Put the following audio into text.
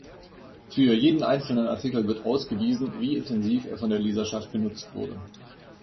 Für jeden einzelnen Artikel wird ausgewiesen, wie intensiv er von der Leserschaft genutzt wurde.